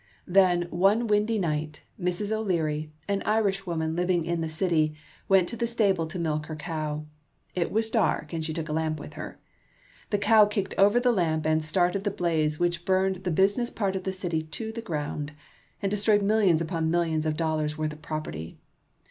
Then, one windy night, Mrs. O'Leary, an Irishwoman living in the city, went to the stable to milk her cow. It was dark, and she took a lamp with her. The cow kicked over the lamp, and started the blaze which burned the business part of the city to the ground, and de stroyed millions upon millions of dollars' worth of property.